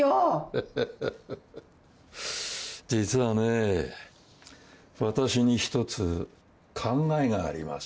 フフフ実はね私に一つ考えがあります。